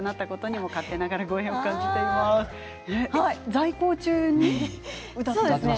在校中に歌っていたんですか？